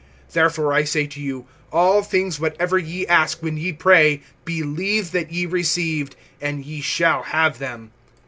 (24)Therefore I say to you: All things whatever ye ask, when ye pray, believe that ye received, and ye shall have them.